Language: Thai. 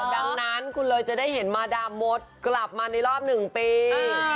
ดังนั้นคุณเลยจะได้เห็นมาดามมดกลับมาในรอบ๑ปี